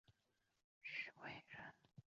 徐渭人。